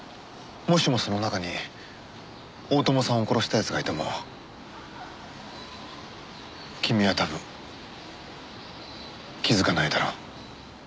もしもその中に大友さんを殺した奴がいても君は多分気づかないだろう？